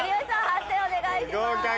判定お願いします。